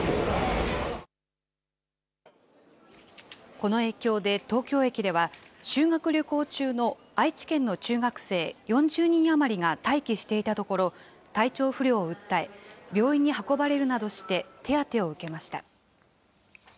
この影響で東京駅では、修学旅行中の愛知県の中学生４０人余りが待機していたところ、体調不良を訴え、病院に運ばれるなどして、手当てを受けました。